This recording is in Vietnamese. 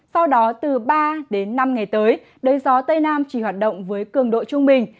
sau đó từ ba đến năm ngày tới đới gió tây nam chỉ hoạt động với cường độ trung bình